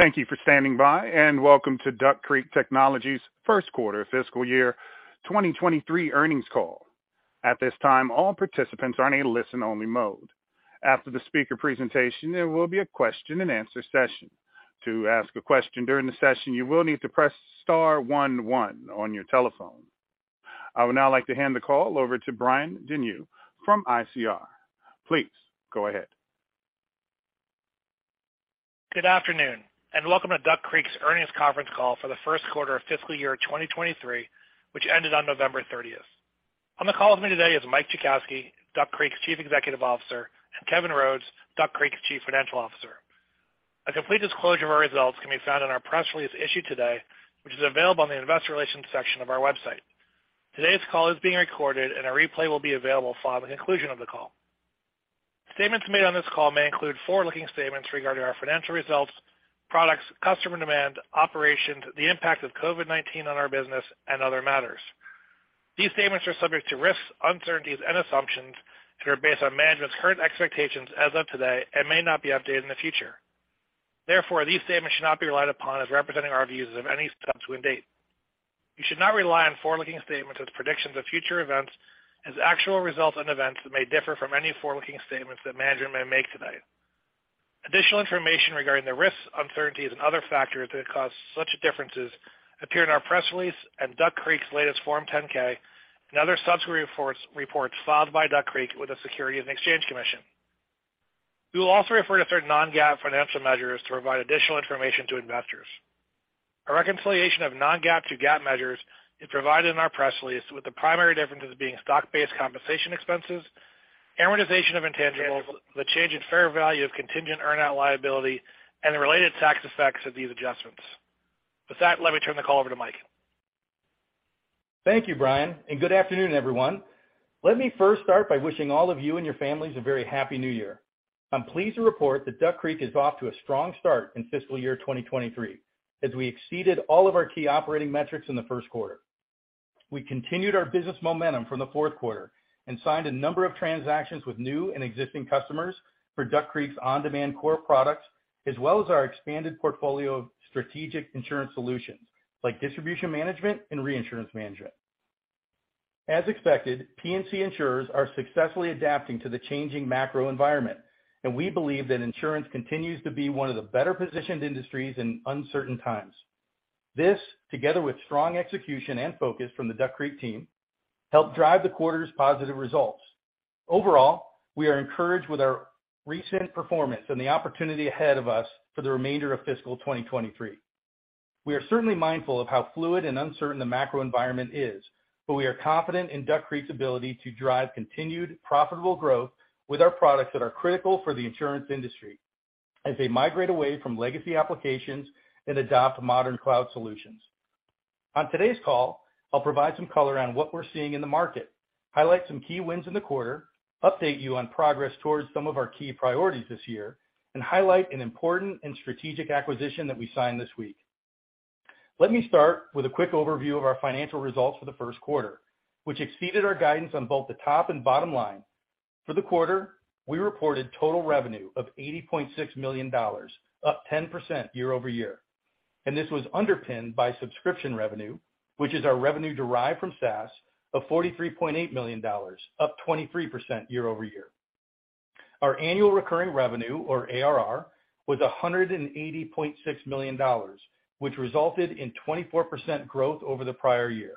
Thank you for standing by. Welcome to Duck Creek Technologies first quarter fiscal year 2023 earnings call. At this time, all participants are in a listen-only mode. After the speaker presentation, there will be a question-and-answer session. To ask a question during the session, you will need to Press Star one one on your telephone. I would now like to hand the call over to Brian Denyeau from ICR. Please go ahead. Good afternoon, welcome to Duck Creek's earnings Conference Call for the first quarter of fiscal year 2023, which ended on November 13th. On the call with me today is Mike Jackowski, Duck Creek's Chief Executive Officer, and Kevin Rhodes, Duck Creek's Chief Financial Officer. A complete disclosure of our results can be found in our press release issued today, which is available on the investor relations section of our website. Today's call is being recorded, a replay will be available following conclusion of the call. Statements made on this call may include forward-looking statements regarding our financial results, products, customer demand, operations, the impact of COVID-19 on our business, and other matters. These statements are subject to risks, uncertainties and assumptions that are based on management's current expectations as of today and may not be updated in the future. Therefore, these statements should not be relied upon as representing our views of any subsequent date. You should not rely on forward-looking statements as predictions of future events as actual results and events that may differ from any forward-looking statements that management may make tonight. Additional information regarding the risks, uncertainties and other factors that cause such differences appear in our press release at Duck Creek's latest Form 10-K and other subsequent reports filed by Duck Creek with the Securities and Exchange Commission. We will also refer to certain non-GAAP financial measures to provide additional information to investors. A reconciliation of non-GAAP to GAAP measures is provided in our press release, with the primary differences being stock-based compensation expenses, amortization of intangibles, the change in fair value of contingent earn out liability, and the related tax effects of these adjustments. With that, let me turn the call over to Mike. Thank you, Brian, and good afternoon, everyone. Let me first start by wishing all of you and your families a very happy new year. I'm pleased to report that Duck Creek is off to a strong start in fiscal year 2023, as we exceeded all of our key operating metrics in the first quarter. We continued our business momentum from the fourth quarter and signed a number of transactions with new and existing customers for Duck Creek's OnDemand core products, as well as our expanded portfolio of strategic insurance solutions like Distribution Management and Reinsurance Management. As expected, P&C insurers are successfully adapting to the changing macro environment, and we believe that insurance continues to be one of the better-positioned industries in uncertain times. This, together with strong execution and focus from the Duck Creek team, helped drive the quarter's positive results. Overall, we are encouraged with our recent performance and the opportunity ahead of us for the remainder of fiscal 2023. We are certainly mindful of how fluid and uncertain the macro environment is, we are confident in Duck Creek's ability to drive continued profitable growth with our products that are critical for the insurance industry as they migrate away from legacy applications and adopt modern cloud solutions. On today's call, I'll provide some color on what we're seeing in the market, highlight some key wins in the quarter, update you on progress towards some of our key priorities this year, and highlight an important and strategic acquisition that we signed this week. Let me start with a quick overview of our financial results for the first quarter, which exceeded our guidance on both the top and bottom line. For the quarter, we reported total revenue of $80.6 million, up 10% year-over-year. This was underpinned by subscription revenue, which is our revenue derived from SaaS of $43.8 million, up 23% year-over-year. Our annual recurring revenue or ARR was $180.6 million, which resulted in 24% growth over the prior year.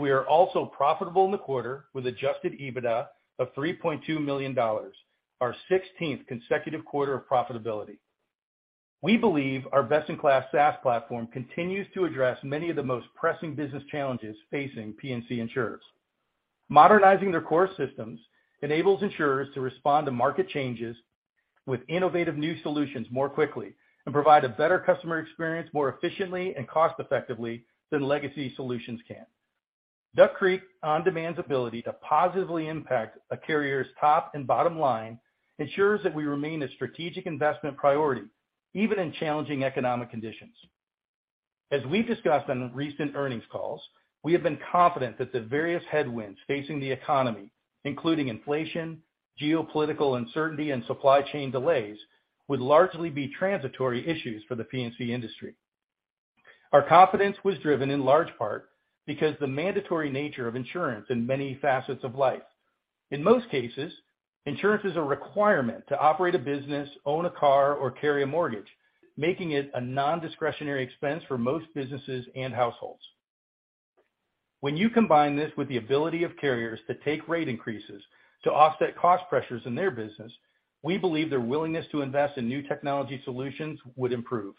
We are also profitable in the quarter with Adjusted EBITDA of $3.2 million, our 16th consecutive quarter of profitability. We believe our best-in-class SaaS platform continues to address many of the most pressing business challenges facing P&C insurers. Modernizing their core systems enables insurers to respond to market changes with innovative new solutions more quickly and provide a better customer experience more efficiently and cost-effectively than legacy solutions can. Duck Creek OnDemand's ability to positively impact a carrier's top and bottom line ensures that we remain a strategic investment priority even in challenging economic conditions. As we've discussed on recent earnings calls, we have been confident that the various headwinds facing the economy, including inflation, geopolitical uncertainty, and supply chain delays, would largely be transitory issues for the P&C industry. Our confidence was driven in large part because the mandatory nature of insurance in many facets of life. In most cases, insurance is a requirement to operate a business, own a car, or carry a mortgage, making it a non-discretionary expense for most businesses and households. When you combine this with the ability of carriers to take rate increases to offset cost pressures in their business, we believe their willingness to invest in new technology solutions would improve.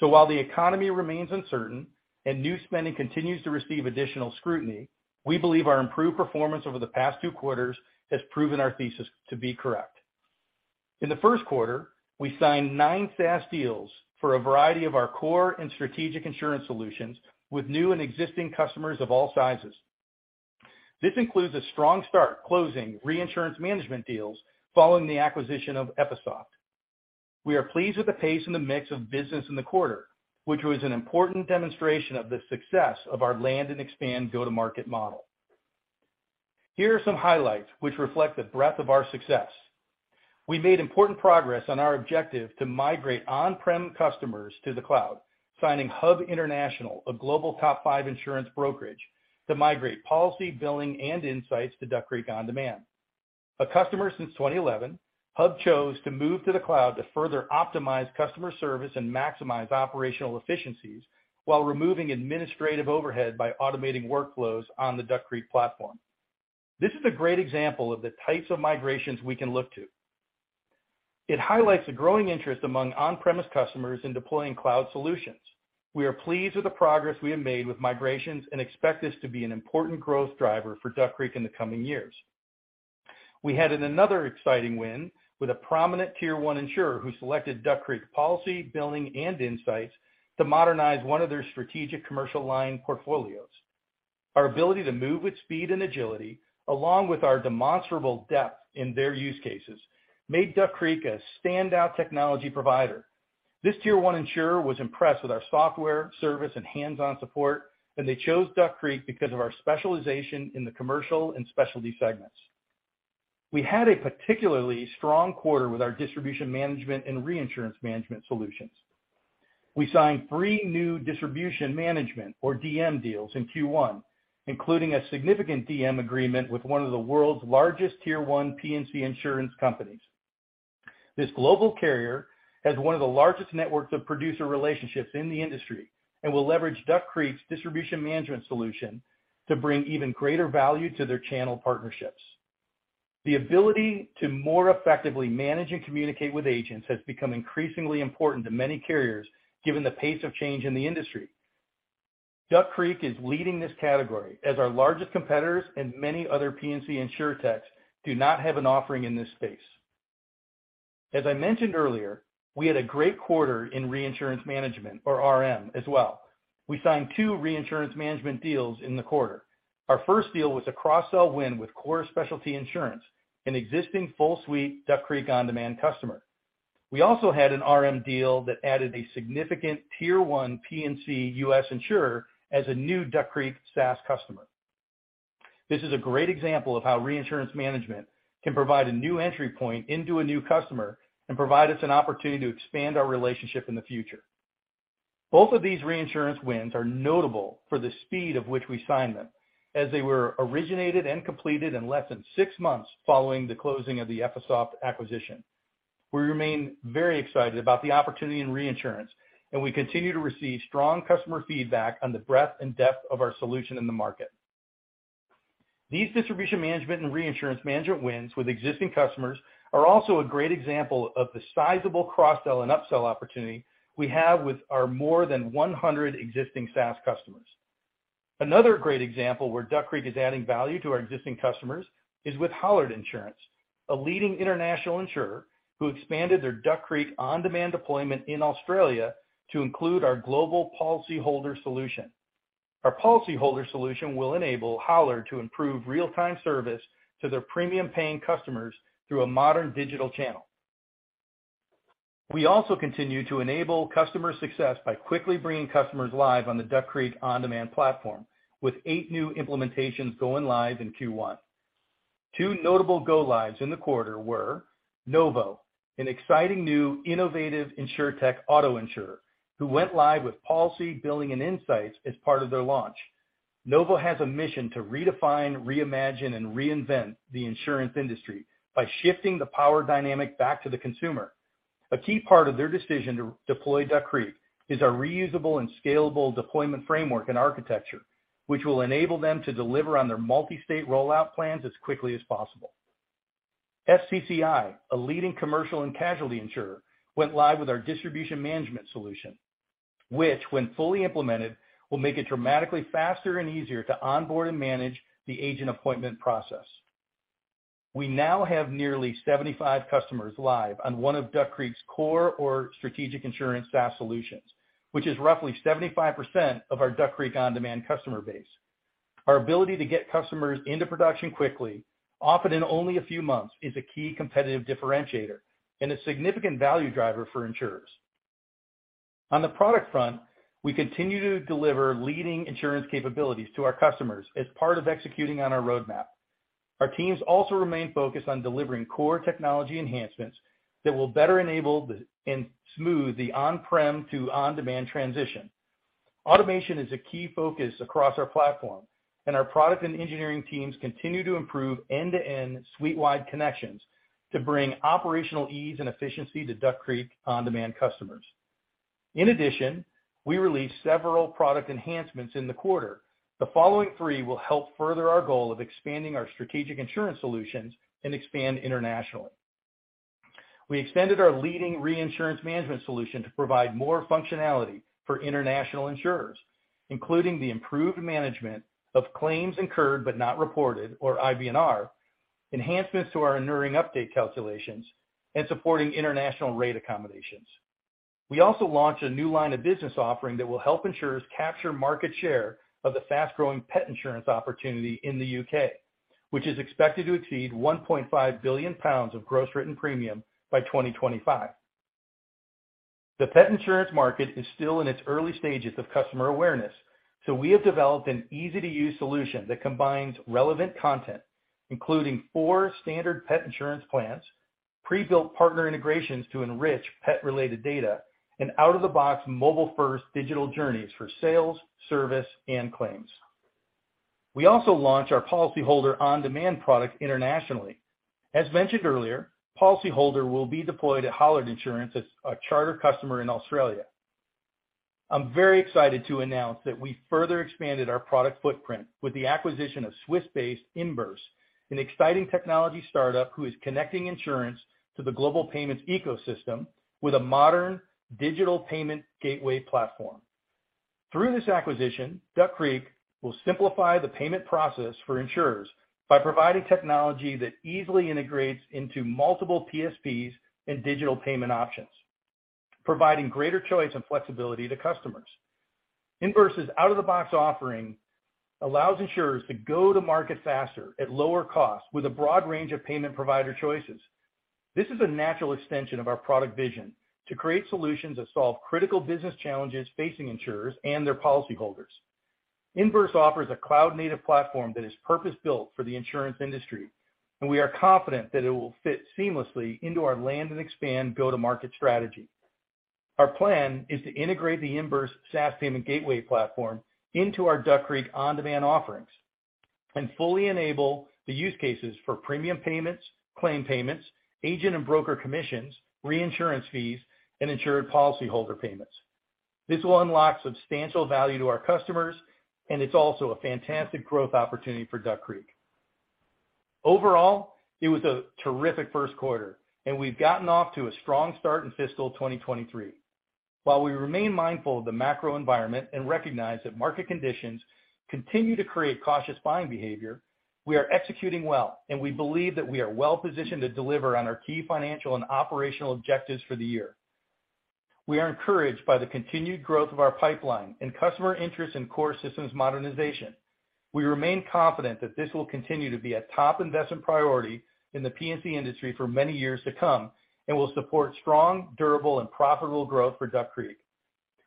While the economy remains uncertain and new spending continues to receive additional scrutiny, we believe our improved performance over the past two quarters has proven our thesis to be correct. In the first quarter, we signed nine SaaS deals for a variety of our core and strategic insurance solutions with new and existing customers of all sizes. This includes a strong start closing Reinsurance Management deals following the acquisition of Effisoft. We are pleased with the pace and the mix of business in the quarter, which was an important demonstration of the success of our land and expand go-to-market model. Here are some highlights which reflect the breadth of our success. We made important progress on our objective to migrate on-prem customers to the cloud, signing Hub International, a global top five insurance brokerage, to migrate Policy, Billing, and Insights to Duck Creek OnDemand. A customer since 2011, Hub chose to move to the cloud to further optimize customer service and maximize operational efficiencies while removing administrative overhead by automating workflows on the Duck Creek platform. This is a great example of the types of migrations we can look to. It highlights a growing interest among on-premise customers in deploying cloud solutions. We are pleased with the progress we have made with migrations and expect this to be an important growth driver for Duck Creek in the coming years. We had another exciting win with a prominent tier 1 insurer who selected Duck Creek policy, billing, and Insights to modernize one of their strategic commercial line portfolios. Our ability to move with speed and agility, along with our demonstrable depth in their use cases, made Duck Creek a standout technology provider. This tier 1 insurer was impressed with our software, service, and hands-on support. They chose Duck Creek because of our specialization in the commercial and specialty segments. We had a particularly strong quarter with our Distribution Management and Reinsurance Management solutions. We signed three new Distribution Management, or DM, deals in Q1, including a significant DM agreement with one of the world's largest tier 1 P&C insurance companies. This global carrier has one of the largest networks of producer relationships in the industry and will leverage Duck Creek's Distribution Management solution to bring even greater value to their channel partnerships. The ability to more effectively manage and communicate with agents has become increasingly important to many carriers given the pace of change in the industry. Duck Creek is leading this category, as our largest competitors and many other P&C insurtechs do not have an offering in this space. As I mentioned earlier, we had a great quarter in Reinsurance Management, or RM, as well. We signed two Reinsurance Management deals in the quarter. Our first deal was a cross-sell win with Core Specialty Insurance, an existing full suite Duck Creek OnDemand customer. We also had an RM deal that added a significant tier one P&C U.S. insurer as a new Duck Creek SaaS customer. This is a great example of how Reinsurance Management can provide a new entry point into a new customer and provide us an opportunity to expand our relationship in the future. Both of these reinsurance wins are notable for the speed of which we signed them, as they were originated and completed in less than 6 months following the closing of the Effisoft acquisition. We remain very excited about the opportunity in reinsurance, and we continue to receive strong customer feedback on the breadth and depth of our solution in the market. These distribution management and reinsurance management wins with existing customers are also a great example of the sizable cross-sell and upsell opportunity we have with our more than 100 existing SaaS customers. Another great example where Duck Creek is adding value to our existing customers is with Hollard Insurance, a leading international insurer who expanded their Duck Creek OnDemand deployment in Australia to include our global Policyholder solution. Our Policyholder solution will enable Hollard to improve real-time service to their premium paying customers through a modern digital channel. We also continue to enable customer success by quickly bringing customers live on the Duck Creek OnDemand platform, with eight new implementations going live in Q1. Two notable go lives in the quarter were Novo, an exciting new innovative insurtech auto insurer, who went live with Policy, billing, and Insights as part of their launch. Novo has a mission to redefine, reimagine, and reinvent the insurance industry by shifting the power dynamic back to the consumer. A key part of their decision to deploy Duck Creek is our reusable and scalable deployment framework and architecture, which will enable them to deliver on their multi-state rollout plans as quickly as possible. FCCI, a leading commercial and casualty insurer, went live with our Distribution Management solution, which, when fully implemented, will make it dramatically faster and easier to onboard and manage the agent appointment process. We now have nearly 75 customers live on one of Duck Creek's core or strategic insurance SaaS solutions, which is roughly 75% of our Duck Creek OnDemand customer base. Our ability to get customers into production quickly, often in only a few months, is a key competitive differentiator and a significant value driver for insurers. On the product front, we continue to deliver leading insurance capabilities to our customers as part of executing on our roadmap. Our teams also remain focused on delivering core technology enhancements that will better enable and smooth the on-prem to OnDemand transition. Automation is a key focus across our platform, and our product and engineering teams continue to improve end-to-end suite-wide connections to bring operational ease and efficiency to Duck Creek OnDemand customers. In addition, we released several product enhancements in the quarter. The following three will help further our goal of expanding our strategic insurance solutions and expand internationally. We expanded our leading Reinsurance Management solution to provide more functionality for international insurers, including the improved management of claims incurred but not reported, or IBNR, enhancements to our enduring update calculations, and supporting international rate accommodations. We also launched a new line of business offering that will help insurers capture market share of the fast-growing pet insurance opportunity in the U.K., which is expected to exceed 1.5 billion pounds of gross written premium by 2025. The pet insurance market is still in its early stages of customer awareness, so we have developed an easy-to-use solution that combines relevant content, including four standard pet insurance plans, pre-built partner integrations to enrich pet-related data, and out-of-the-box mobile-first digital journeys for sales, service, and claims. We also launched our Policyholder OnDemand product internationally. As mentioned earlier, Policyholder will be deployed at Hollard Insurance as a charter customer in Australia. I'm very excited to announce that we further expanded our product footprint with the acquisition of Swiss-based Imburse, an exciting technology startup who is connecting insurance to the global payments ecosystem with a modern digital payment gateway platform. Through this acquisition, Duck Creek will simplify the payment process for insurers by providing technology that easily integrates into multiple PSPs and digital payment options, providing greater choice and flexibility to customers. Imburse' out-of-the-box offering allows insurers to go to market faster at lower costs with a broad range of payment provider choices. This is a natural extension of our product vision to create solutions that solve critical business challenges facing insurers and their policyholders. Imburse offers a cloud-native platform that is purpose-built for the insurance industry, and we are confident that it will fit seamlessly into our land and expand go-to-market strategy. Our plan is to integrate the Imburse SaaS payment gateway platform into our Duck Creek OnDemand offerings and fully enable the use cases for premium payments, claim payments, agent and broker commissions, reinsurance fees, and insured policyholder payments. This will unlock substantial value to our customers, and it's also a fantastic growth opportunity for Duck Creek. Overall, it was a terrific first quarter, and we've gotten off to a strong start in fiscal 2023. While we remain mindful of the macro environment and recognize that market conditions continue to create cautious buying behavior, we are executing well, and we believe that we are well-positioned to deliver on our key financial and operational objectives for the year. We are encouraged by the continued growth of our pipeline and customer interest in core systems modernization. We remain confident that this will continue to be a top investment priority in the P&C industry for many years to come and will support strong, durable, and profitable growth for Duck Creek.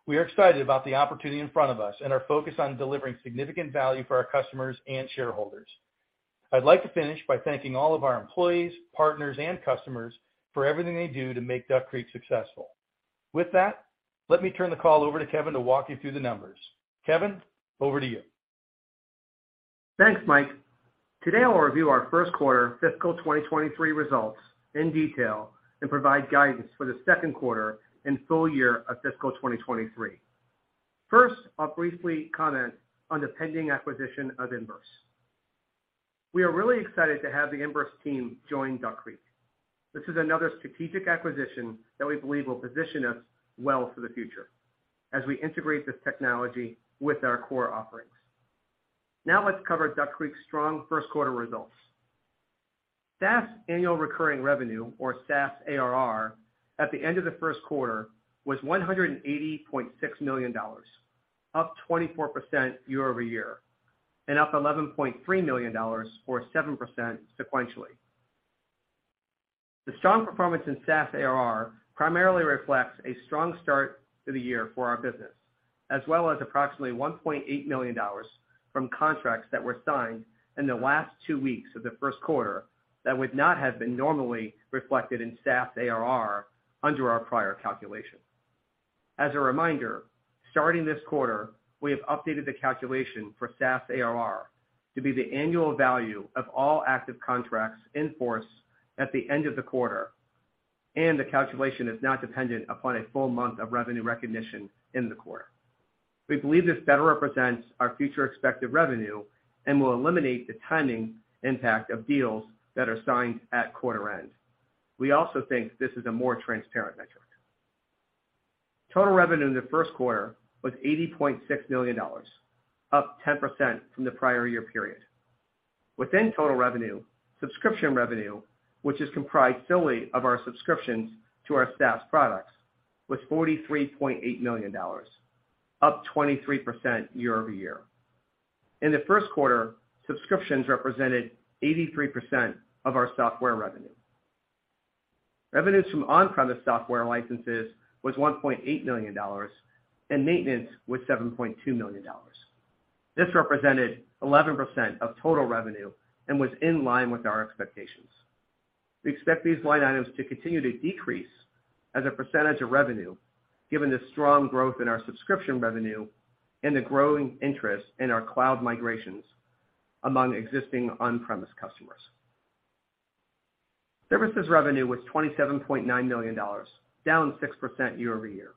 We are excited about the opportunity in front of us and are focused on delivering significant value for our customers and shareholders. I'd like to finish by thanking all of our employees, partners, and customers for everything they do to make Duck Creek successful. With that, let me turn the call over to Kevin to walk you through the numbers. Kevin, over to you. Thanks, Mike. Today, I'll review our first quarter fiscal 2023 results in detail and provide guidance for the second quarter and full year of fiscal 2023. I'll briefly comment on the pending acquisition of Imburse. We are really excited to have the Imburse team join Duck Creek. This is another strategic acquisition that we believe will position us well for the future as we integrate this technology with our core offerings. Let's cover Duck Creek's strong first quarter results. SaaS annual recurring revenue, or SaaS ARR, at the end of the first quarter was $180.6 million, up 24% year-over-year, and up $11.3 million, or 7% sequentially. The strong performance in SaaS ARR primarily reflects a strong start to the year for our business, as well as approximately $1.8 million from contracts that were signed in the last two weeks of the first quarter that would not have been normally reflected in SaaS ARR under our prior calculation. As a reminder, starting this quarter, we have updated the calculation for SaaS ARR to be the annual value of all active contracts in force at the end of the quarter, and the calculation is not dependent upon a full month of revenue recognition in the quarter. We believe this better represents our future expected revenue and will eliminate the timing impact of deals that are signed at quarter-end. We also think this is a more transparent metric. Total revenue in the first quarter was $80.6 million, up 10% from the prior year period. Within total revenue, subscription revenue, which is comprised solely of our subscriptions to our SaaS products, was $43.8 million, up 23% year-over-year. In the first quarter, subscriptions represented 83% of our software revenue. Revenues from on-premise software licenses was $1.8 million, and maintenance was $7.2 million. This represented 11% of total revenue and was in line with our expectations. We expect these line items to continue to decrease as a percentage of revenue, given the strong growth in our subscription revenue and the growing interest in our cloud migrations among existing on-premise customers. Services revenue was $27.9 million, down 6% year-over-year.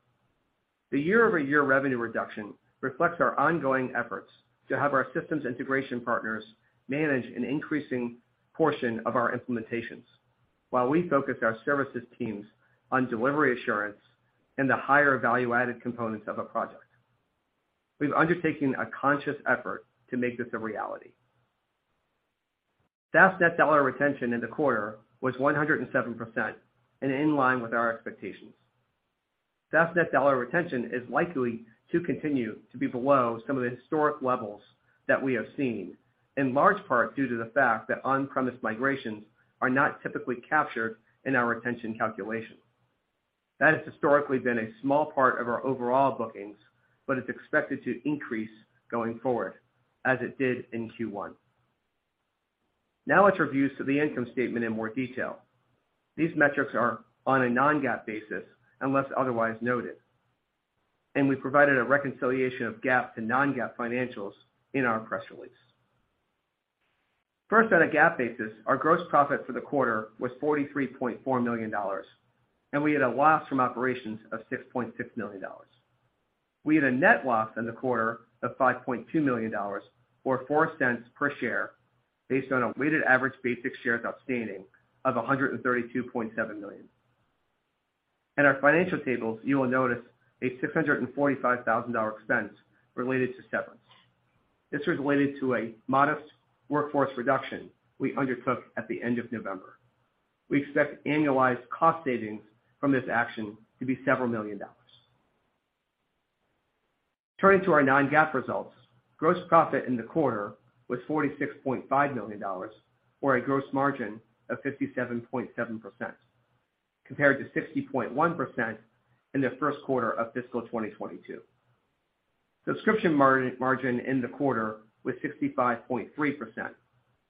The year-over-year revenue reduction reflects our ongoing efforts to have our systems integration partners manage an increasing portion of our implementations while we focus our services teams on delivery assurance and the higher value-added components of a project. We've undertaken a conscious effort to make this a reality. SaaS net dollar retention in the quarter was 107% and in line with our expectations. SaaS net dollar retention is likely to continue to be below some of the historic levels that we have seen. In large part due to the fact that on-premise migrations are not typically captured in our retention calculation. That has historically been a small part of our overall bookings, but it's expected to increase going forward, as it did in Q1. Now let's review to the income statement in more detail. These metrics are on a non-GAAP basis unless otherwise noted. We provided a reconciliation of GAAP to non-GAAP financials in our press release. First, on a GAAP basis, our gross profit for the quarter was $43.4 million, and we had a loss from operations of $6.6 million. We had a net loss in the quarter of $5.2 million or $0.04 per share based on a weighted average basic shares outstanding of 132.7 million. In our financial tables, you will notice a $645,000 expense related to severance. This is related to a modest workforce reduction we undertook at the end of November. We expect annualized cost savings from this action to be several million dollars. Turning to our non-GAAP results. Gross profit in the quarter was $46.5 million or a gross margin of 57.7% compared to 60.1% in the first quarter of fiscal 2022. Subscription margin in the quarter was 65.3%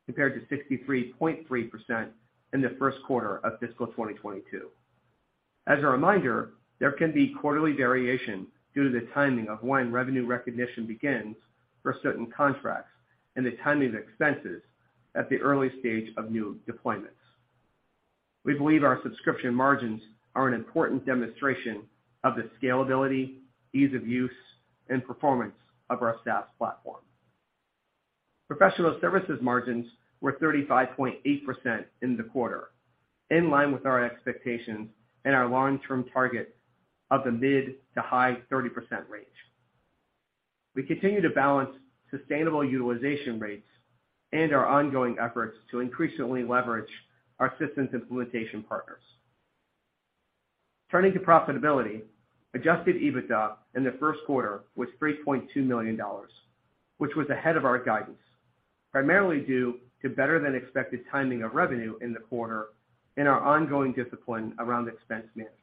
compared to 63.3% in the first quarter of fiscal 2022. As a reminder, there can be quarterly variation due to the timing of when revenue recognition begins for certain contracts and the timing of expenses at the early stage of new deployments. We believe our subscription margins are an important demonstration of the scalability, ease of use, and performance of our SaaS platform. Professional services margins were 35.8% in the quarter, in line with our expectations and our long-term target of the mid to high 30% range. We continue to balance sustainable utilization rates and our ongoing efforts to increasingly leverage our systems implementation partners. Turning to profitability, Adjusted EBITDA in the first quarter was $3.2 million, which was ahead of our guidance, primarily due to better than expected timing of revenue in the quarter and our ongoing discipline around expense management.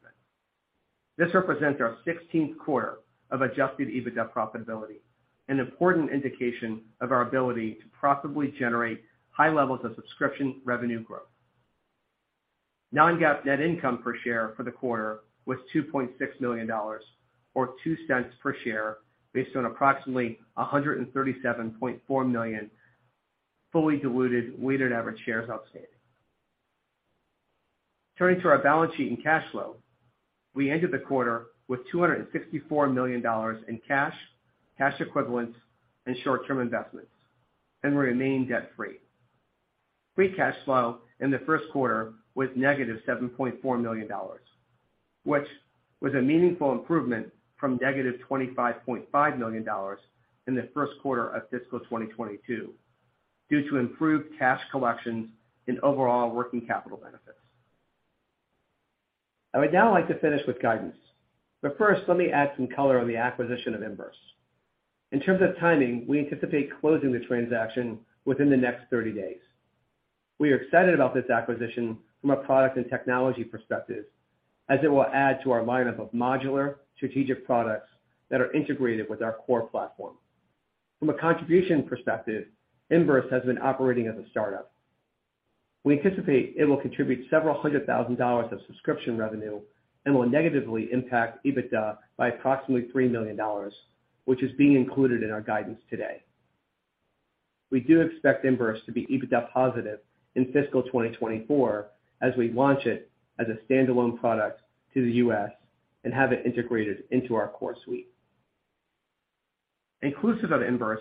This represents our 16th quarter of Adjusted EBITDA profitability, an important indication of our ability to profitably generate high levels of subscription revenue growth. Non-GAAP net income per share for the quarter was $2.6 million or $0.02 per share based on approximately 137.4 million fully diluted weighted average shares outstanding. Turning to our balance sheet and cash flow. We ended the quarter with $264 million in cash equivalents and short-term investments and remain debt-free. Free cash flow in the first quarter was negative $7.4 million, which was a meaningful improvement from negative $25.5 million in the first quarter of fiscal 2022 due to improved cash collections and overall working capital benefits. I would now like to finish with guidance, but first, let me add some color on the acquisition of Imburse. In terms of timing, we anticipate closing the transaction within the next 30 days. We are excited about this acquisition from a product and technology perspective as it will add to our lineup of modular strategic products that are integrated with our core platform. From a contribution perspective, Imburse has been operating as a start-up. We anticipate it will contribute several hundred thousand dollars of subscription revenue and will negatively impact EBITDA by approximately $3 million, which is being included in our guidance today. We do expect Imburse to be EBITDA positive in fiscal 2024 as we launch it as a standalone product to the U.S. and have it integrated into our core suite. Inclusive of Imburse,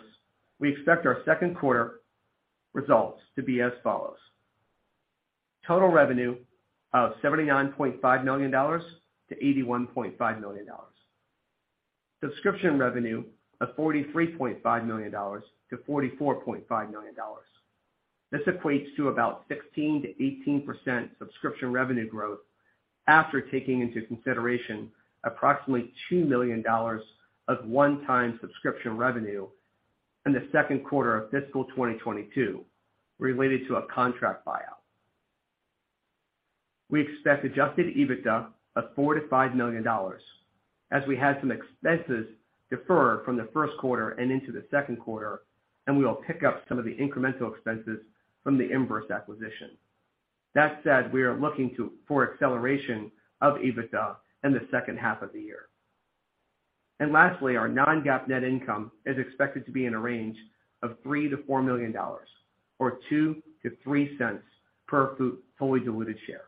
we expect our second quarter results to be as follows. Total revenue of $79.5 million-$81.5 million. Subscription revenue of $43.5 million-$44.5 million. This equates to about 16%-18% subscription revenue growth after taking into consideration approximately $2 million of one-time subscription revenue in the second quarter of fiscal 2022 related to a contract buyout. We expect Adjusted EBITDA of $4 million-$5 million as we had some expenses defer from the first quarter and into the second quarter. We will pick up some of the incremental expenses from the Imburse acquisition. That said, we are looking for acceleration of EBITDA in the second half of the year. Lastly, our non-GAAP net income is expected to be in a range of $3 million-$4 million or $0.02-$0.03 per fully diluted share.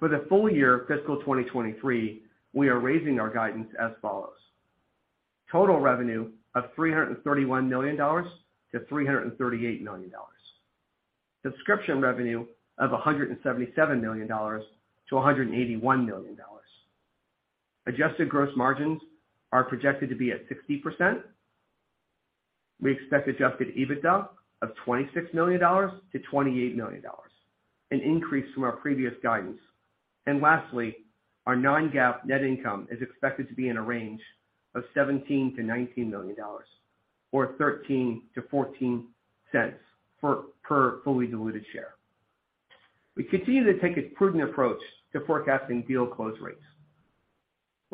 For the full year fiscal 2023, we are raising our guidance as follows. Total revenue of $331 million-$338 million. Subscription revenue of $177 million-$181 million. Adjusted gross margins are projected to be at 60%. We expect Adjusted EBITDA of $26 million-$28 million, an increase from our previous guidance. Lastly, our non-GAAP net income is expected to be in a range of $17 million-$19 million or $0.13-$0.14 per fully diluted share. We continue to take a prudent approach to forecasting deal close rates.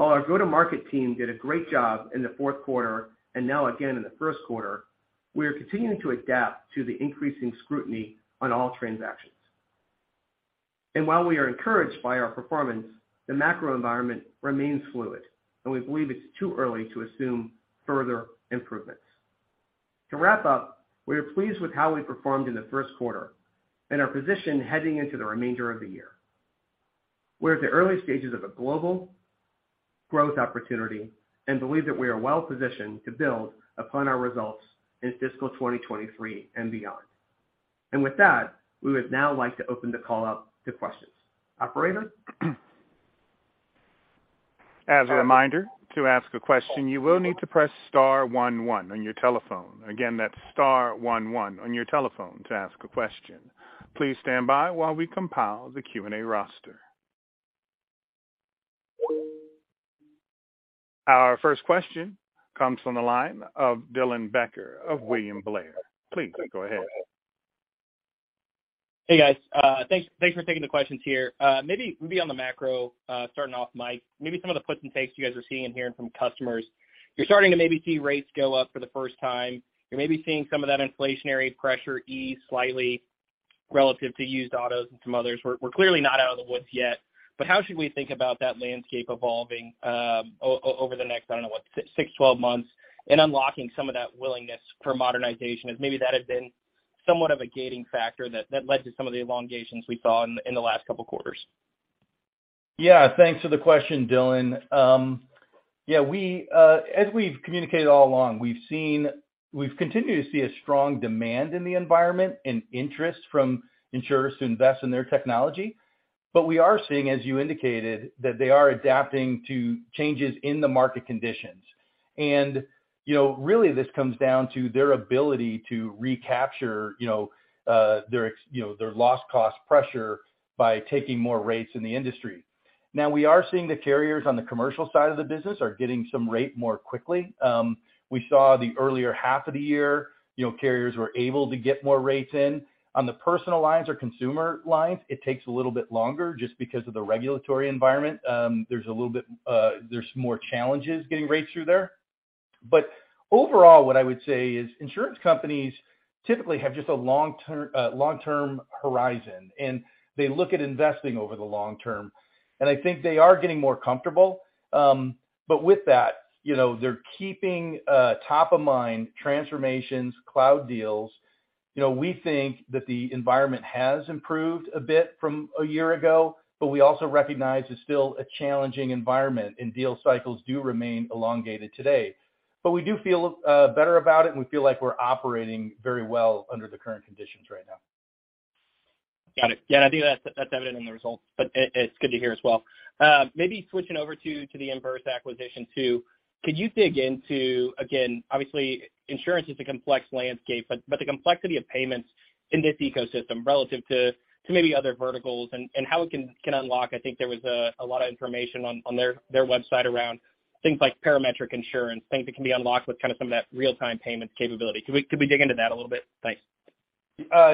While our go-to-market team did a great job in the fourth quarter and now again in the first quarter, we are continuing to adapt to the increasing scrutiny on all transactions. While we are encouraged by our performance, the macro environment remains fluid, and we believe it's too early to assume further improvements. To wrap up, we are pleased with how we performed in the first quarter and our position heading into the remainder of the year. We're at the early stages of a global growth opportunity and believe that we are well-positioned to build upon our results in fiscal 2023 and beyond. With that, we would now like to open the call up to questions. Operator? As a reminder, to ask a question, you will need to Press Star one one on your telephone. Again, that's star one one on your telephone to ask a question. Please stand by while we compile the Q&A roster. Our first question comes from the line of Dylan Becker of William Blair. Please go ahead. Hey, guys. Thanks, thanks for taking the questions here. Maybe on the macro, starting off, Mike, maybe some of the puts and takes you guys are seeing and hearing from customers. You're starting to maybe see rates go up for the first time. You're maybe seeing some of that inflationary pressure ease slightly relative to used autos and some others. We're clearly not out of the woods yet, but how should we think about that landscape evolving, over the next, I don't know, what, 6-12 months, and unlocking some of that willingness for modernization, as maybe that had been somewhat of a gating factor that led to some of the elongations we saw in the last couple quarters? Yeah. Thanks for the question, Dylan. We, as we've communicated all along, we've continued to see a strong demand in the environment and interest from insurers to invest in their technology. We are seeing, as you indicated, that they are adapting to changes in the market conditions. You know, really this comes down to their ability to recapture, you know, their loss cost pressure by taking more rates in the industry. We are seeing the carriers on the commercial side of the business are getting some rate more quickly. We saw the earlier half of the year, you know, carriers were able to get more rates in. On the personal lines or consumer lines, it takes a little bit longer just because of the regulatory environment. There's a little bit, there's more challenges getting rates through there. Overall, what I would say is insurance companies typically have just a long-term horizon, and they look at investing over the long term. I think they are getting more comfortable. With that, you know, they're keeping top of mind transformations, cloud deals. You know, we think that the environment has improved a bit from a year ago, but we also recognize it's still a challenging environment, and deal cycles do remain elongated today. We do feel better about it, and we feel like we're operating very well under the current conditions right now. Got it. Yeah, I think that's evident in the results, but it's good to hear as well. Maybe switching over to the Imburse acquisition too. Could you dig into again, obviously insurance is a complex landscape, but the complexity of payments in this ecosystem relative to maybe other verticals and how it can unlock? I think there was a lot of information on their website around things like parametric insurance, things that can be unlocked with kind of some of that real-time payments capability. Could we dig into that a little bit? Thanks.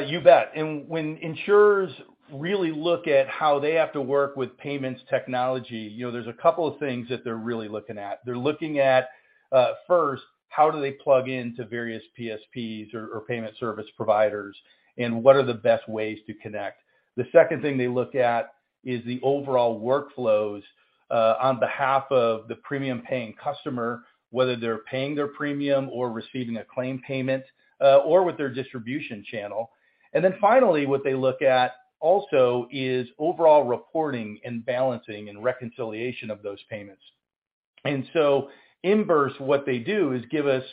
You bet. When insurers really look at how they have to work with payments technology, you know, there's a couple of things that they're really looking at. They're looking at, first, how do they plug into various PSPs or payment service providers, and what are the best ways to connect? The second thing they look at is the overall workflows on behalf of the premium-paying customer, whether they're paying their premium or receiving a claim payment or with their distribution channel. Finally, what they look at also is overall reporting and balancing and reconciliation of those payments. Imburse, what they do is give us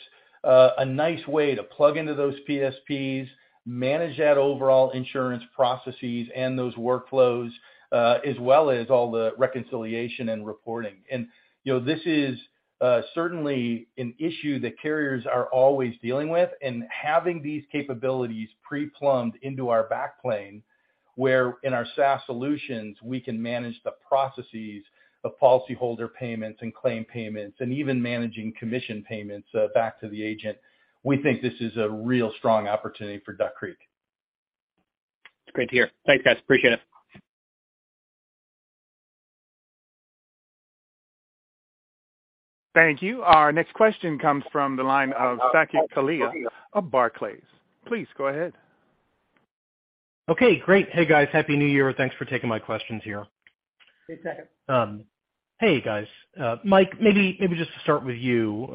a nice way to plug into those PSPs, manage that overall insurance processes and those workflows as well as all the reconciliation and reporting. You know, this is certainly an issue that carriers are always dealing with and having these capabilities pre-plumbed into our backplane, where in our SaaS solutions, we can manage the processes of policyholder payments and claim payments and even managing commission payments back to the agent. We think this is a real strong opportunity for Duck Creek. It's great to hear. Thanks, guys. Appreciate it. Thank you. Our next question comes from the line of Saket Kalia of Barclays. Please go ahead. Okay, great. Hey, guys. Happy New Year. Thanks for taking my questions here. Hey, Saket. Hey, guys. Mike, maybe just to start with you.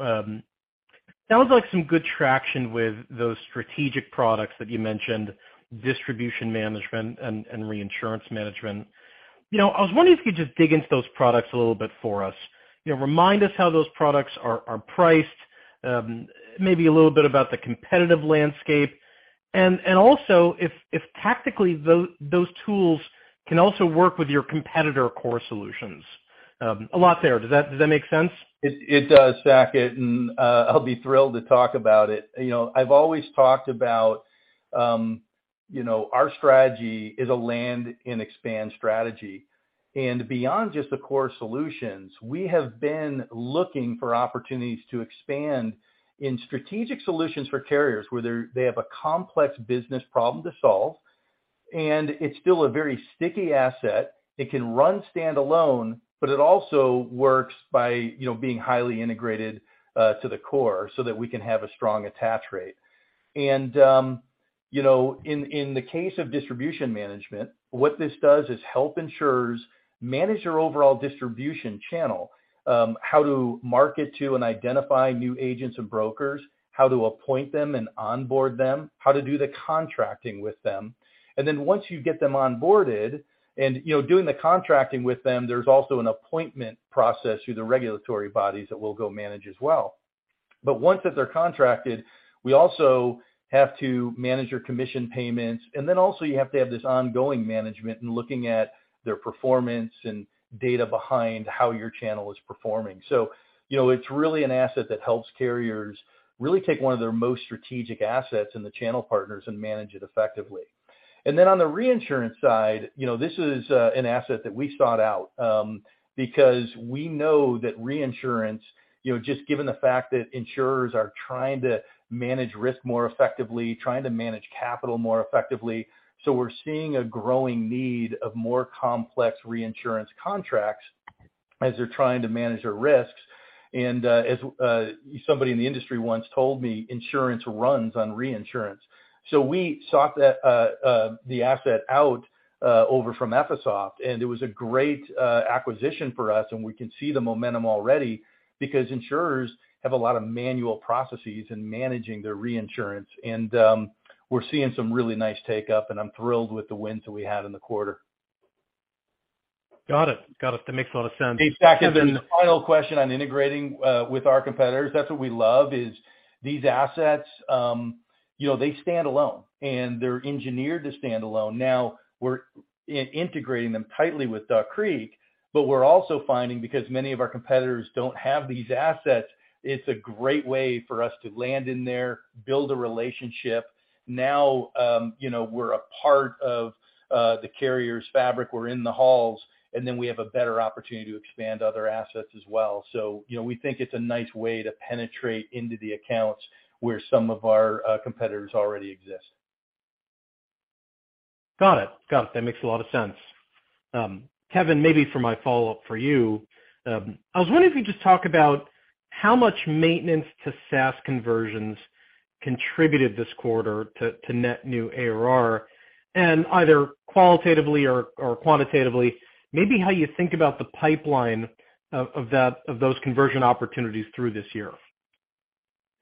Sounds like some good traction with those strategic products that you mentioned, Distribution Management and Reinsurance Management. You know, I was wondering if you could just dig into those products a little bit for us. You know, remind us how those products are priced, maybe a little bit about the competitive landscape and also if tactically those tools can also work with your competitor core solutions. A lot there. Does that make sense? It does, Saket, I'll be thrilled to talk about it. You know, I've always talked about, you know, our strategy is a land and expand strategy. Beyond just the core solutions, we have been looking for opportunities to expand in strategic solutions for carriers where they have a complex business problem to solve, and it's still a very sticky asset. It can run standalone, but it also works by, you know, being highly integrated to the core so that we can have a strong attach rate. You know, in the case of Distribution Management, what this does is help insurers manage their overall distribution channel, how to market to and identify new agents and brokers, how to appoint them and onboard them, how to do the contracting with them. Once you get them onboarded and, you know, doing the contracting with them, there's also an appointment process through the regulatory bodies that we'll go manage as well. Once that they're contracted, we also have to manage your commission payments. You have to have this ongoing management and looking at their performance and data behind how your channel is performing. You know, it's really an asset that helps carriers really take one of their most strategic assets in the channel partners and manage it effectively. On the reinsurance side, you know, this is an asset that we sought out because we know that reinsurance, you know, just given the fact that insurers are trying to manage risk more effectively, trying to manage capital more effectively. We're seeing a growing need of more complex reinsurance contracts as they're trying to manage their risks. As, somebody in the industry once told me, insurance runs on reinsurance. We sought the asset out over from Effisoft, and it was a great acquisition for us, and we can see the momentum already because insurers have a lot of manual processes in managing their reinsurance. We're seeing some really nice take-up, and I'm thrilled with the wins that we had in the quarter. Got it. Got it. That makes a lot of sense. Hey, Saket, the final question on integrating with our competitors, that's what we love, is these assets, you know, they stand alone, and they're engineered to stand alone. We're integrating them tightly with Duck Creek, but we're also finding because many of our competitors don't have these assets, it's a great way for us to land in there, build a relationship. You know, we're a part of the carrier's fabric. We're in the halls, and then we have a better opportunity to expand other assets as well. You know, we think it's a nice way to penetrate into the accounts where some of our competitors already exist. Got it. Got it. That makes a lot of sense. Kevin, maybe for my follow-up for you, I was wondering if you could just talk about how much maintenance to SaaS conversions contributed this quarter to net new ARR, and either qualitatively or quantitatively, maybe how you think about the pipeline of that, of those conversion opportunities through this year.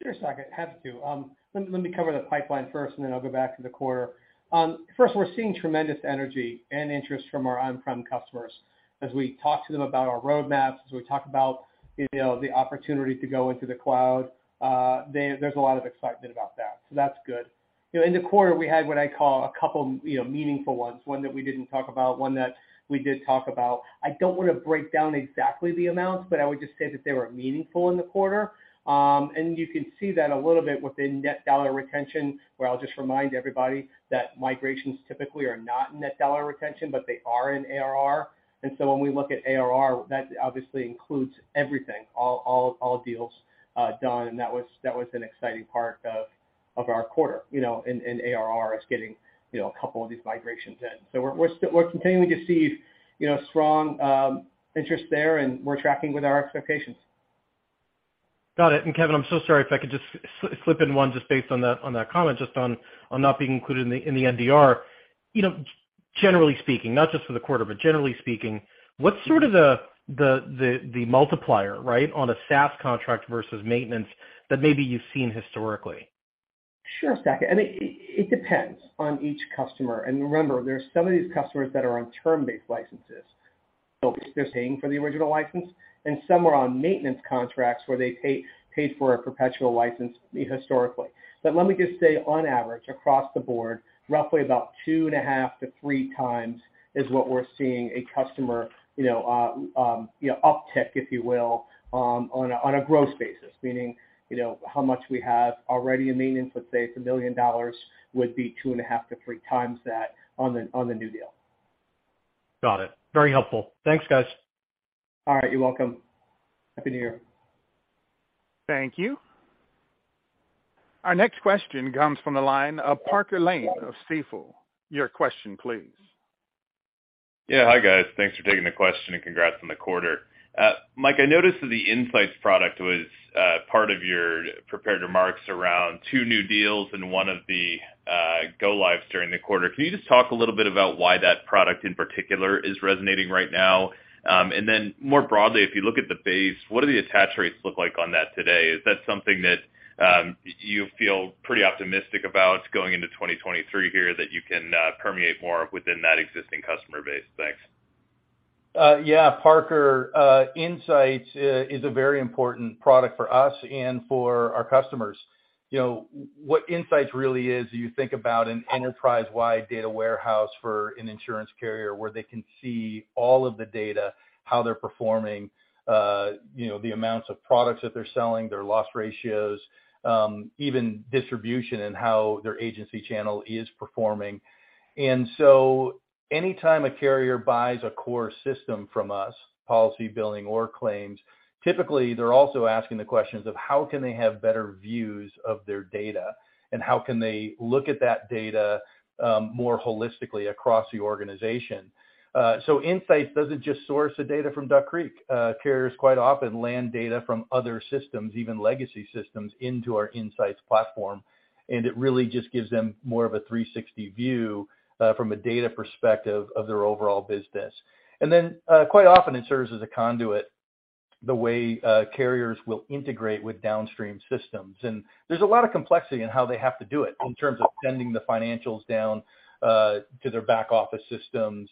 Sure, Saket. Happy to. Let me cover the pipeline first, and then I'll go back to the quarter. First, we're seeing tremendous energy and interest from our on-prem customers. As we talk to them about our roadmaps, as we talk about, you know, the opportunity to go into the cloud, there's a lot of excitement about that, so that's good. You know, in the quarter, we had what I call a couple, you know, meaningful ones, one that we didn't talk about, one that we did talk about. I don't wanna break down exactly the amounts, but I would just say that they were meaningful in the quarter. You can see that a little bit within net dollar retention, where I'll just remind everybody that migrations typically are not in net dollar retention, but they are in ARR. When we look at ARR, that obviously includes everything, all deals, done, and that was an exciting part of our quarter. You know, ARR is getting, you know, a couple of these migrations in. We're continuing to see, you know, strong interest there, and we're tracking with our expectations. Got it. Kevin, I'm so sorry, if I could just slip in one just based on that, on that comment, just on not being included in the NDR. You know, generally speaking, not just for the quarter, but generally speaking, what's sort of the multiplier, right, on a SaaS contract versus maintenance that maybe you've seen historically? Sure, Saket. It depends on each customer. Remember, there are some of these customers that are on term-based licenses, so they're paying for the original license, and some are on maintenance contracts where they pay for a perpetual license historically. Let me just say, on average, across the board, roughly about 2.5-3x is what we're seeing a customer, you know, uptick, if you will, on a, on a gross basis, meaning, you know, how much we have already in maintenance, let's say it's $1 million, would be 2.5-3x that on the, on the new deal. Got it. Very helpful. Thanks, guys. All right. You're welcome. Happy New Year. Thank you. Our next question comes from the line of Parker Lane of Stifel. Your question, please. Yeah. Hi, guys. Thanks for taking the question, and congrats on the quarter. Mike, I noticed that the Insights product was part of your prepared remarks around two new deals and one of the go lives during the quarter. Can you just talk a little bit about why that product in particular is resonating right now? Then more broadly, if you look at the base, what do the attach rates look like on that today? Is that something that you feel pretty optimistic about going into 2023 here that you can permeate more within that existing customer base? Thanks. Yeah. Parker, Insights is a very important product for us and for our customers. You know, what Insights really is, you think about an enterprise-wide data warehouse for an insurance carrier where they can see all of the data, how they're performing, you know, the amounts of products that they're selling, their loss ratios, even distribution and how their agency channel is performing. Anytime a carrier buys a core system from us, policy, billing, or claims, typically they're also asking the questions of how can they have better views of their data, and how can they look at that data, more holistically across the organization. Insights doesn't just source the data from Duck Creek. Carriers quite often land data from other systems, even legacy systems, into our Insights platform, and it really just gives them more of a 360 view, from a data perspective of their overall business. Quite often it serves as a conduit, the way carriers will integrate with downstream systems. There's a lot of complexity in how they have to do it in terms of sending the financials down to their back-office systems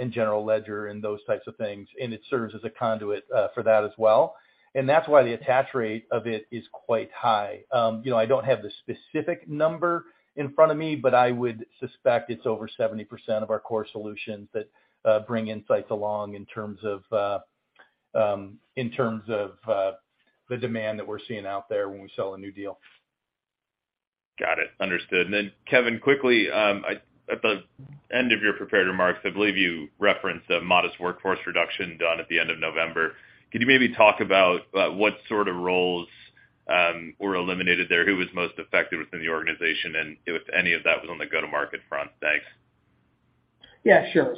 in general ledger and those types of things. It serves as a conduit for that as well. That's why the attach rate of it is quite high. You know, I don't have the specific number in front of me, but I would suspect it's over 70% of our core solutions that bring Insights along in terms of in terms of the demand that we're seeing out there when we sell a new deal. Got it. Understood. Kevin, quickly, at the end of your prepared remarks, I believe you referenced a modest workforce reduction done at the end of November. Could you maybe talk about what sort of roles were eliminated there? Who was most affected within the organization? If any of that was on the go-to-market front? Thanks. Yeah, sure.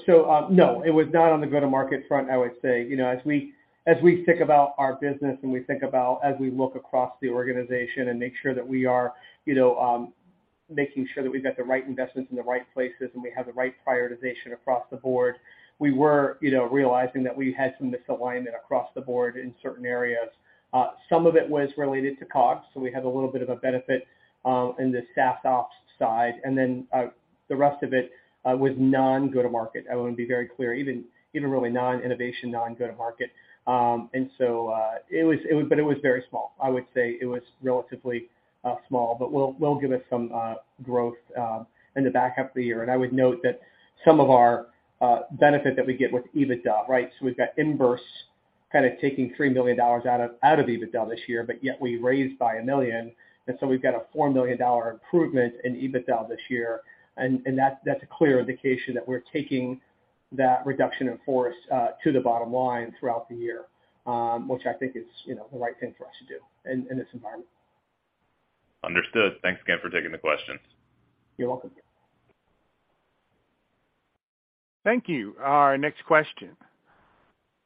No, it was not on the go-to-market front, I would say. You know, as we think about our business and we think about as we look across the organization and make sure that we are, you know, making sure that we've got the right investments in the right places and we have the right prioritization across the board, we were, you know, realizing that we had some misalignment across the board in certain areas. Some of it was related to costs, so we had a little bit of a benefit in the staff ops side. The rest of it was non-go-to-market. I want to be very clear, even really non-innovation, non-go-to-market. It was, but it was very small. I would say it was relatively small, but will give us some growth in the back half of the year. I would note that some of our benefit that we get with EBITDA, right? So we've got Imburse kind of taking $3 million out of EBITDA this year, but yet we raised by $1 million. So we've got a $4 million improvement in EBITDA this year. That's a clear indication that we're taking that reduction in force to the bottom line throughout the year, which I think is, you know, the right thing for us to do in this environment. Understood. Thanks again for taking the questions. You're welcome. Thank you. Our next question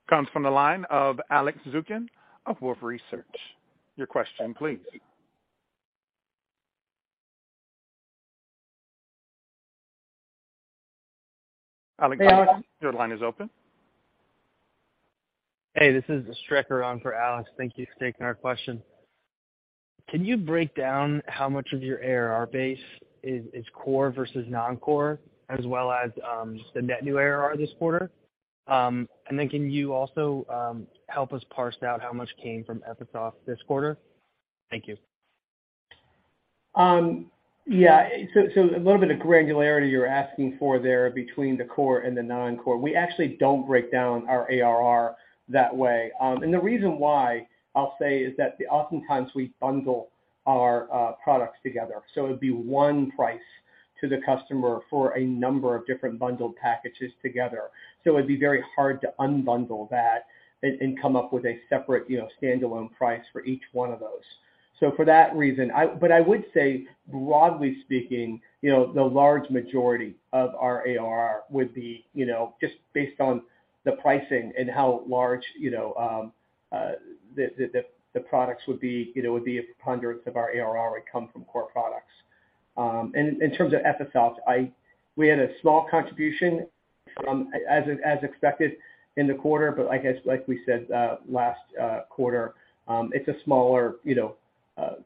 comes from the line of Alex Zukin of Wolfe Research. Your question please. Alex, your line is open. Hey, this is Tyler Radke on for Alex. Thank you for taking our question. Can you break down how much of your ARR base is core versus non-core, as well as just the net new ARR this quarter? Can you also help us parse out how much came from Effisoft this quarter? Thank you. Yeah. A little bit of granularity you're asking for there between the core and the non-core. We actually don't break down our ARR that way. The reason why I'll say is that oftentimes we bundle our products together. It would be one price to the customer for a number of different bundled packages together. It'd be very hard to unbundle that and come up with a separate, you know, standalone price for each one of those. For that reason, I would say broadly speaking, you know, the large majority of our ARR would be, you know, just based on the pricing and how large, you know, the products would be, you know, would be a preponderance of our ARR would come from core products. In terms of Effisoft, we had a small contribution from, as expected in the quarter, but I guess like we said, last quarter, it's a smaller, you know,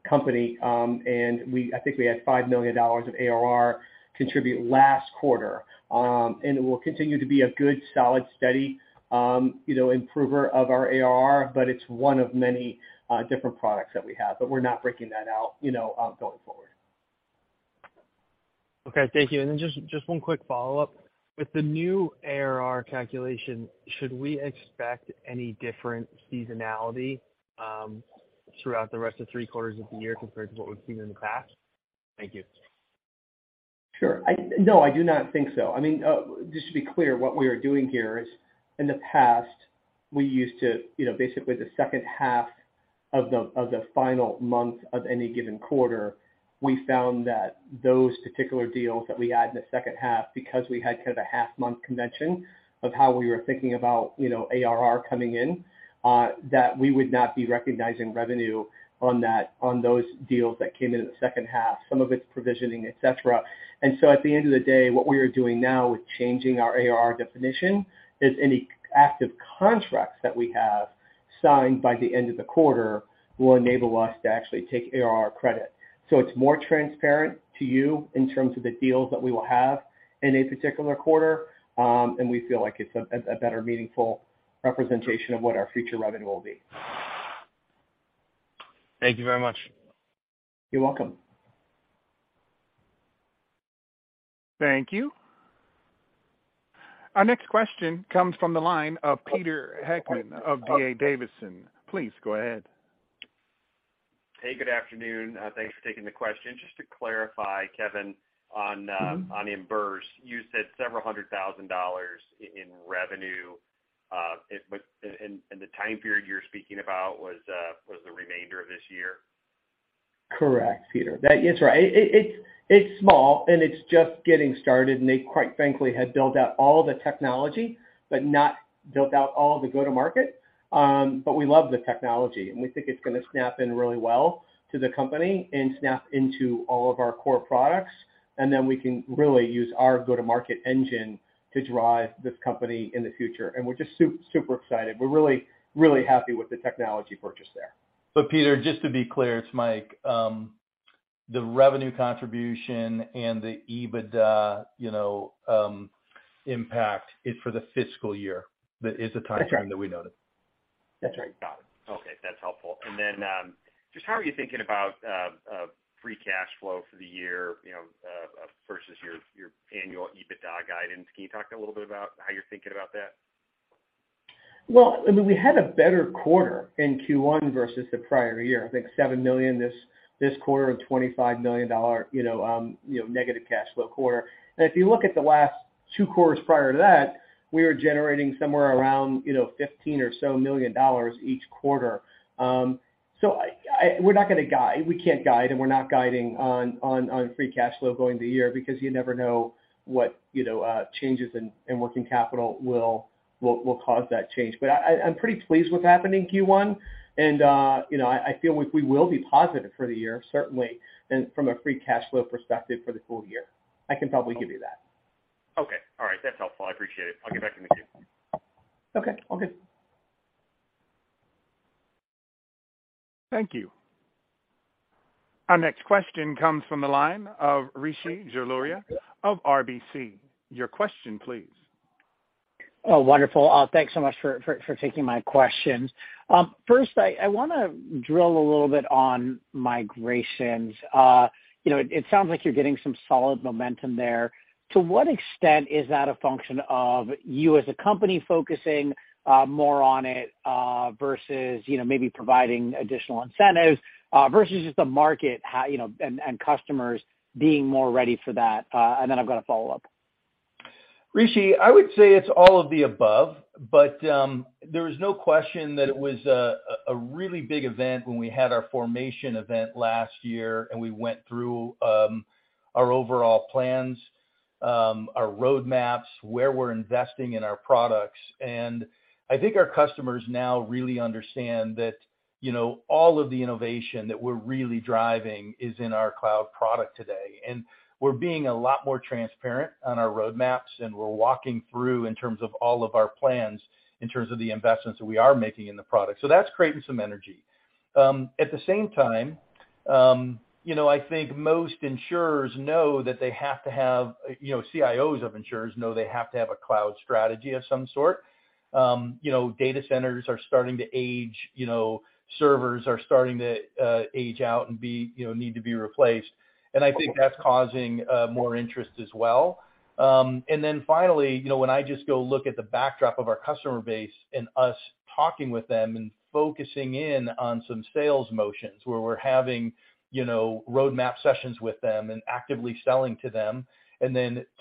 company. I think we had $5 million of ARR contribute last quarter. It will continue to be a good, solid, steady, you know, improver of our ARR, but it's one of many different products that we have, but we're not breaking that out, you know, going forward. Okay. Thank you. Then just one quick follow-up. With the new ARR calculation, should we expect any different seasonality throughout the rest of three-quarters of the year compared to what we've seen in the past? Thank you. Sure. No, I do not think so. I mean, just to be clear, what we are doing here is in the past, we used to, you know, basically the second half of the final month of any given quarter, we found that those particular deals that we had in the second half, because we had kind of a half month convention of how we were thinking about, you know, ARR coming in, that we would not be recognizing revenue on those deals that came in in the second half, some of it's provisioning, et cetera. At the end of the day, what we are doing now with changing our ARR definition is any active contracts that we have signed by the end of the quarter will enable us to actually take ARR credit. It's more transparent to you in terms of the deals that we will have in a particular quarter, and we feel like it's a better meaningful representation of what our future revenue will be. Thank you very much. You're welcome. Thank you. Our next question comes from the line of Peter Heckmann of D.A. Davidson. Please go ahead. Hey, good afternoon. Thanks for taking the question. Just to clarify, Kevin, on Imburse, you said $several hundred thousand in revenue. The time period you're speaking about was the remainder of this year? Correct, Peter. That is right. It's small. It's just getting started. They quite frankly had built out all the technology, but not built out all the go-to-market. We love the technology, and we think it's going to snap in really well to the company and snap into all of our core products. We can really use our go-to-market engine to drive this company in the future. We're just super excited. We're really happy with the technology purchase there. Peter, just to be clear, it's Mike, the revenue contribution and the EBITDA, you know, impact is for the fiscal year. That is the timeframe that we noted. That's right. Got it. Okay, that's helpful. Just how are you thinking about free cash flow for the year, you know, versus your annual EBITDA guidance? Can you talk a little bit about how you're thinking about that? Well, I mean, we had a better quarter in Q1 versus the prior year. I think $7 million this quarter and $25 million, you know, negative cash flow quarter. If you look at the last two quarters prior to that, we were generating somewhere around, you know, $15 million or so each quarter. I we're not gonna guide. We can't guide, we're not guiding on free cash flow going into the year because you never know what, you know, changes in working capital will cause that change. I'm pretty pleased with what happened in Q1, you know, I feel we will be positive for the year, certainly, and from a free cash flow perspective for the full year. I can probably give you that. Okay. All right. That's helpful. I appreciate it. I'll get back to you. Okay. All good. Thank you. Our next question comes from the line of Rishi Jaluria of RBC. Your question, please. Oh, wonderful. Thanks so much for taking my questions. First, I wanna drill a little bit on migrations. You know, it sounds like you're getting some solid momentum there. To what extent is that a function of you as a company focusing, more on it, versus, you know, maybe providing additional incentives, versus just the market, how, you know, and customers being more ready for that? Then I've got a follow-up. Rishi, I would say it's all of the above, but, there is no question that it was a really big event when we had our formation event last year and we went through our overall plans, our roadmaps, where we're investing in our products. I think our customers now really understand that, you know, all of the innovation that we're really driving is in our cloud product today. We're being a lot more transparent on our roadmaps, and we're walking through in terms of all of our plans in terms of the investments that we are making in the product. That's creating some energy. At the same time, you know, I think most insurers know that they have to have, you know, CIOs of insurers know they have to have a cloud strategy of some sort. You know, data centers are starting to age. You know, servers are starting to age out and be, you know, need to be replaced. I think that's causing more interest as well. Finally, you know, when I just go look at the backdrop of our customer base and us talking with them and focusing in on some sales motions where we're having, you know, roadmap sessions with them and actively selling to them,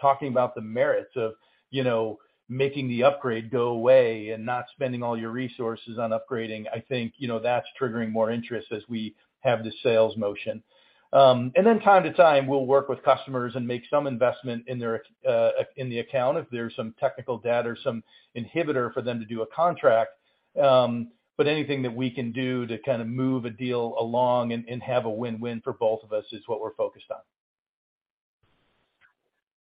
talking about the merits of, you know, making the upgrade go away and not spending all your resources on upgrading, I think, you know, that's triggering more interest as we have the sales motion. Time to time, we'll work with customers and make some investment in their, in the account if there's some technical data or some inhibitor for them to do a contract. Anything that we can do to kind of move a deal along and have a win-win for both of us is what we're focused on.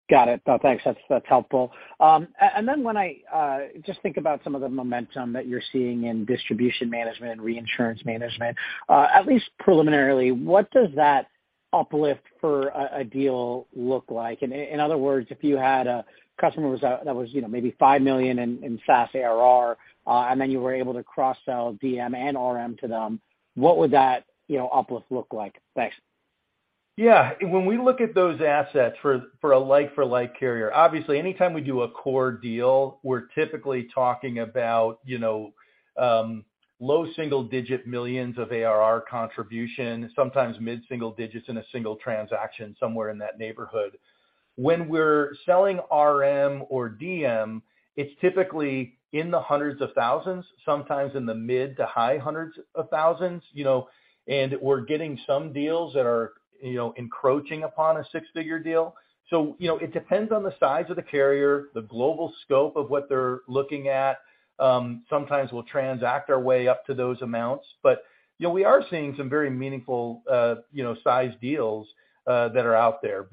Got it. No, thanks. That's helpful. When I just think about some of the momentum that you're seeing in Distribution Management and Reinsurance Management, at least preliminarily, what does that uplift for a deal look like? In other words, if you had a customer that was, you know, maybe $5 million in SaaS ARR, and then you were able to cross-sell DM and RM to them, what would that, you know, uplift look like? Thanks. Yeah. When we look at those assets for a like for like carrier, obviously anytime we do a core deal, we're typically talking about, you know, low single-digit millions of ARR contribution, sometimes mid-single-digit $ millions in a single transaction, somewhere in that neighborhood. When we're selling RM or DM, it's typically in the $ hundreds of thousands, sometimes in the mid- to high hundreds of thousands, you know, and we're getting some deals that are, you know, encroaching upon a six-figure deal. It depends on the size of the carrier, the global scope of what they're looking at. Sometimes we'll transact our way up to those amounts. We are seeing some very meaningful, you know, sized deals that are out there.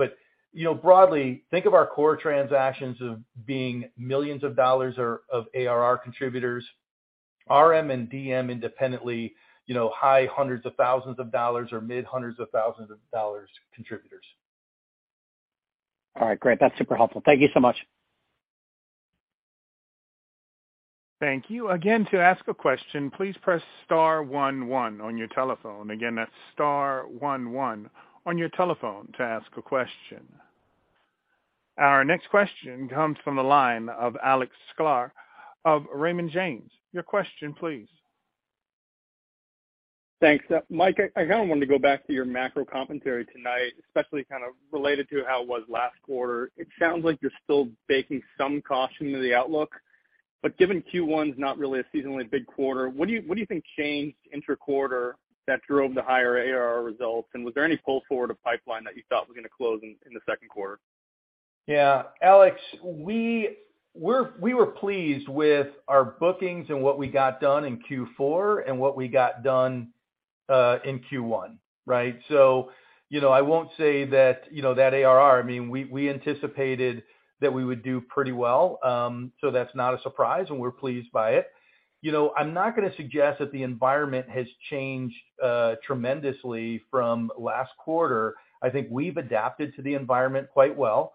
Broadly, think of our core transactions of being millions of dollars or of ARR contributors. RM and DM independently, you know, high hundreds of thousands of dollars or mid hundreds of thousands of dollars contributors. All right, great. That's super helpful. Thank you so much. Thank you. To ask a question, please press star one one on your telephone. Again, that's star one one on your telephone to ask a question. Our next question comes from the line of Alex Sklar of Raymond James. Your question, please. Thanks. Mike, I kinda wanted to go back to your macro commentary tonight, especially kind of related to how it was last quarter. It sounds like you're still baking some caution to the outlook, but given Q1's not really a seasonally big quarter, what do you think changed inter-quarter that drove the higher ARR results? Was there any pull-forward of pipeline that you thought was gonna close in the second quarter? Yeah. Alex, we were pleased with our bookings and what we got done in Q4 and what we got done in Q1, right? I won't say that, you know, that ARR, I mean, we anticipated that we would do pretty well. That's not a surprise, and we're pleased by it. You know, I'm not gonna suggest that the environment has changed tremendously from last quarter. I think we've adapted to the environment quite well.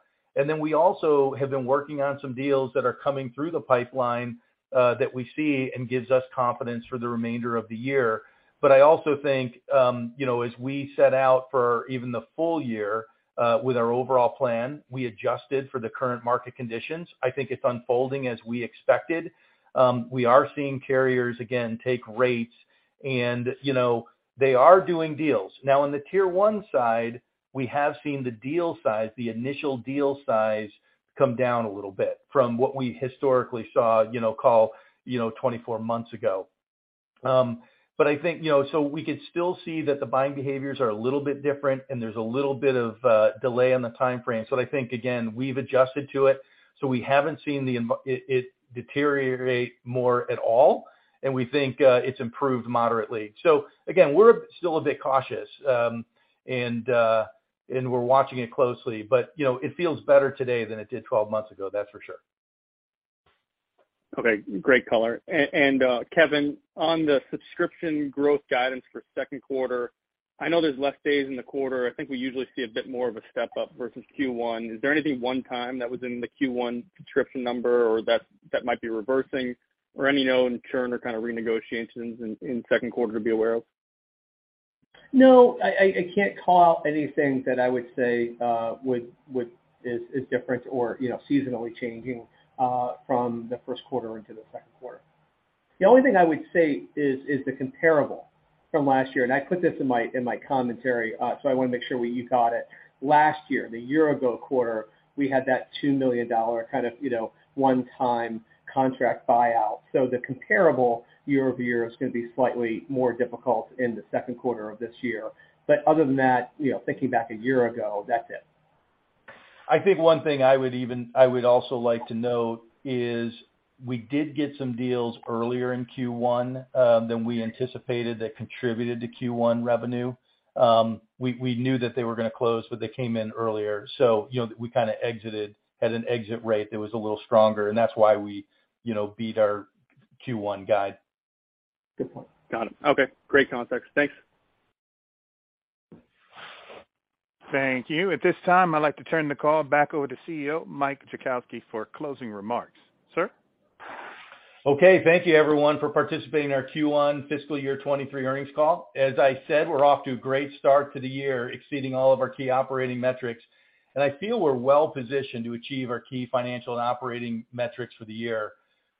We also have been working on some deals that are coming through the pipeline that we see and gives us confidence for the remainder of the year. I also think, you know, as we set out for even the full year with our overall plan, we adjusted for the current market conditions. I think it's unfolding as we expected. We are seeing carriers again take rates and, you know, they are doing deals. On the tier one side, we have seen the deal size, the initial deal size come down a little bit from what we historically saw, you know, call, you know, 24 months ago. I think, you know, we could still see that the buying behaviors are a little bit different and there's a little bit of delay on the timeframe. I think again, we've adjusted to it, we haven't seen it deteriorate more at all, and we think it's improved moderately. Again, we're still a bit cautious, and we're watching it closely, but, you know, it feels better today than it did 12 months ago, that's for sure. Okay. Great color. Kevin, on the subscription growth guidance for second quarter, I know there's less days in the quarter. I think we usually see a bit more of a step up versus Q1. Is there anything one time that was in the Q1 subscription number or that might be reversing or any known churn or kind of renegotiations in second quarter to be aware of? No, I can't call out anything that I would say is different or, you know, seasonally changing from the first quarter into the second quarter. The only thing I would say is the comparable from last year. I put this in my commentary, so I wanna make sure you got it. Last year, the year ago quarter, we had that $2 million kind of, you know, one-time contract buyout. The comparable year-over-year is gonna be slightly more difficult in the second quarter of this year. Other than that, you know, thinking back a year ago, that's it. I think one thing I would also like to note is we did get some deals earlier in Q1 than we anticipated that contributed to Q1 revenue. We knew that they were gonna close, but they came in earlier. You know, we kinda exited at an exit rate that was a little stronger, and that's why we, you know, beat our Q1 guide. Good point. Got it. Okay. Great context. Thanks. Thank you. At this time, I'd like to turn the call back over to CEO, Mike Jackowski, for closing remarks. Sir? Okay. Thank you everyone for participating in our Q1 fiscal year 2023 earnings call. As I said, we're off to a great start to the year, exceeding all of our key operating metrics. I feel we're well-positioned to achieve our key financial and operating metrics for the year.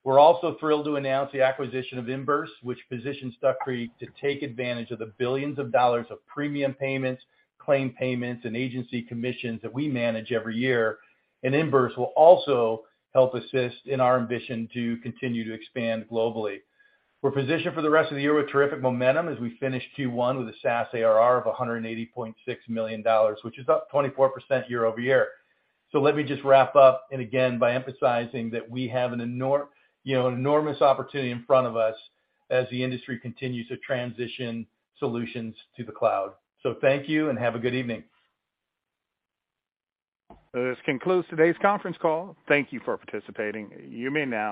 We're also thrilled to announce the acquisition of Imburse, which positions Duck Creek to take advantage of the dollar billions of premium payments, claim payments, and agency commissions that we manage every year. Imburse will also help assist in our ambition to continue to expand globally. We're positioned for the rest of the year with terrific momentum as we finish Q1 with a SaaS ARR of $180.6 million, which is up 24% year-over-year. Let me just wrap up and again, by emphasizing that we have you know, an enormous opportunity in front of us as the industry continues to transition solutions to the cloud. Thank you and have a good evening. This concludes today's Conference Call. Thank you for participating. You may now disconnect.